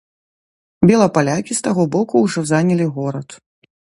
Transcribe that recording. Белапалякі з таго боку ўжо занялі горад.